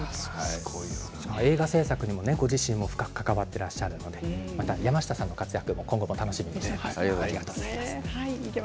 映画製作にもご自身も深く関わっていらっしゃるのでまた山下さんの活躍も今後楽しみにしています。